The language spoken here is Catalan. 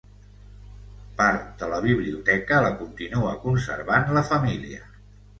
Part de la biblioteca la continua conservant la família.